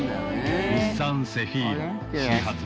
日産セフィーロ新発売。